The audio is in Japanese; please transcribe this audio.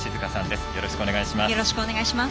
よろしくお願いします。